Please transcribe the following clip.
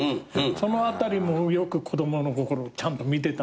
その辺りもよく子供の頃ちゃんと見てたんですね。